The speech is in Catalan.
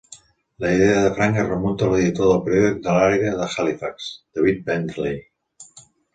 La idea de "Frank" es remunta a l'editor del periòdic de l'àrea de Halifax, David Bentley.